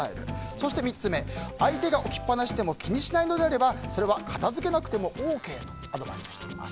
そして３つ目相手が置きっぱなしでも気にしないのであればそれは片付けなくてもＯＫとアドバイスしています。